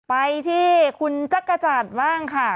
ไปที่คุณจ๊ะกจัดบ้างค่ะ